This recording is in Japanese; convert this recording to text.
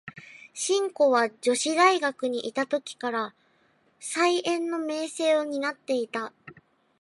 信子は女子大学にゐた時から、才媛の名声を担ってゐた。